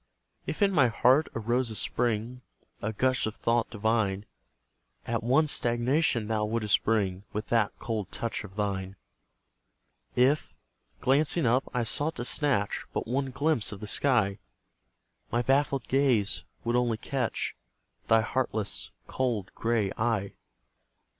If in my heart arose a spring, A gush of thought divine, At once stagnation thou wouldst bring With that cold touch of thine. If, glancing up, I sought to snatch But one glimpse of the sky, My baffled gaze would only catch Thy heartless, cold grey eye.